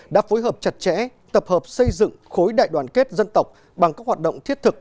đã phối hợp chặt chẽ tập hợp xây dựng khối đại đoàn kết dân tộc bằng các hoạt động thiết thực